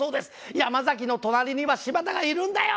山崎の隣には柴田がいるんだよ！